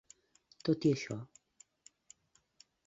Tot i això.